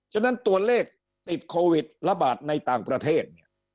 ฉะนั้นตัวเลขติดโควิดระบาดในต่างประเทศเนี่ย